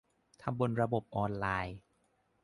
ทำบนระบบออนไลน์